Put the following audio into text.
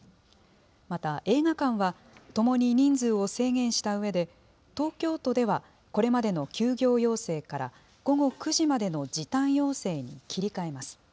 また、映画館はともに人数を制限したうえで、東京都ではこれまでの休業要請から午後９時までの時短要請に切り替えます。